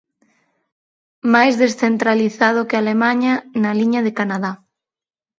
Máis descentralizado que Alemaña, na liña de Canadá.